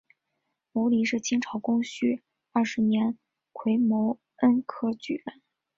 牟琳是清朝光绪二十九年癸卯恩科举人。